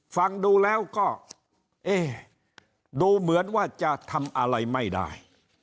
ฟังดูแล้วก็เอ๊ะดูเหมือนว่าจะทำอะไรไม่ได้